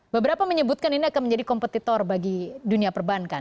beberapa menyebutkan ini akan menjadi kompetitor bagi dunia perbankan